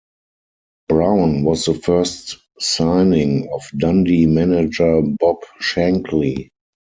Brown was the first signing of Dundee manager Bob Shankly.